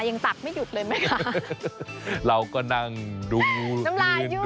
ตั้งแต่อ่านมายังตักไม่หยุดเลยไหมคะ